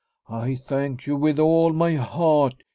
I thank you with all my heart.